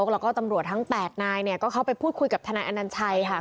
แล้วก็ตำรวจทั้ง๘นายเนี่ยก็เข้าไปพูดคุยกับทนายอนัญชัยค่ะ